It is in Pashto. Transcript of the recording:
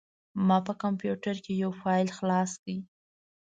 ما په کمپوټر کې یو فایل خلاص کړ.